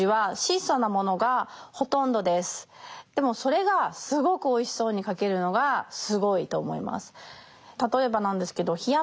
でもそれがすごくおいしそうに書けるのがすごいと思います。